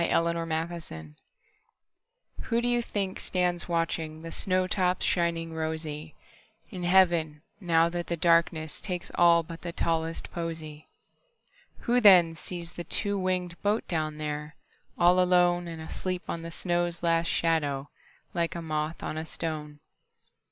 Everlasting Flowers WHO do you think stands watchingThe snow tops shining rosyIn heaven, now that the darknessTakes all but the tallest posy? Who then sees the two wingedBoat down there, all aloneAnd asleep on the snow's last shadow, Like a moth on a stone?